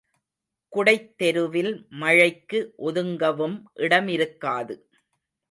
குடைத் தெருவில் மழைக்கு ஒதுங்கவும் இடமிருக்காது.